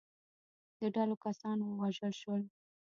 د ډلو کسان ووژل شول.